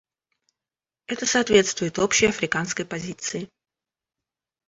Это соответствует общей африканской позиции.